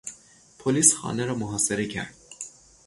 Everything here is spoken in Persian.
پلیس خانه را محاصره کرد.